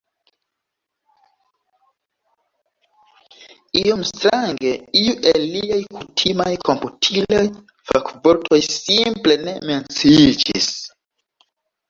Iom strange iu el liaj kutimaj komputilaj fakvortoj simple ne menciiĝis.